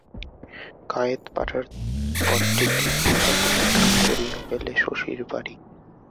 কায়েতপাড়ার পথটি তিন ভাগ অতিক্রম করিয়া গেলে শশীর বাড়ি।